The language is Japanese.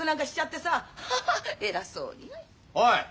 おい！